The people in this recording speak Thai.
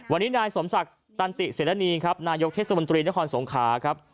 วันนี้นายสมศักดิ์ตันติเสรณีครับนายกเทศมนตรีนครสงขาครับ